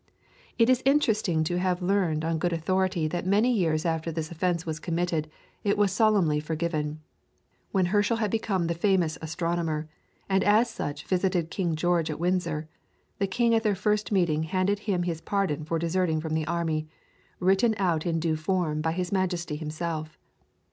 It is interesting to have learned on good authority that many years after this offence was committed it was solemnly forgiven. When Herschel had become the famous astronomer, and as such visited King George at Windsor, the King at their first meeting handed to him his pardon for deserting from the army, written out in due form by his Majesty himself.